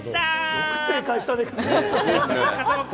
よく正解したね。